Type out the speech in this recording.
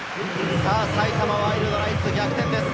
埼玉ワイルドナイツ、逆転です。